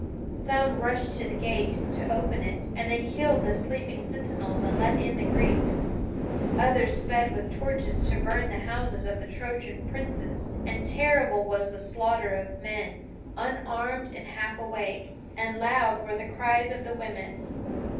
Some rushed to the gate, to open it, and they killed the sleeping sentinels and let in the Greeks. Others sped with torches to burn the houses of the Trojan princes, and terrible was the slaughter of men, unarmed and half awake, and loud were the cries of the women.